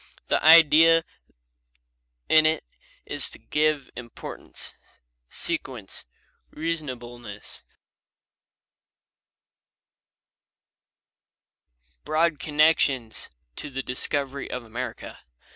The idea in it is to give importance, sequence, reasonableness, broad connections, to the discovery of America.